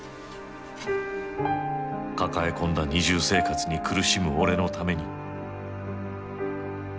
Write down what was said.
抱え込んだ二重生活に苦しむ俺のために。